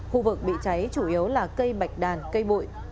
khu vực bị cháy chủ yếu là cây bạch đàn cây bụi